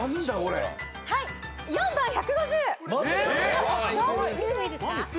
はい。